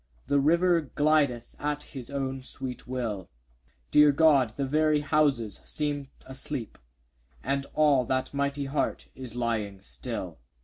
The river glideth at his own sweet will: Dear God! the very houses seem asleep; And all that mighty heart is lying still!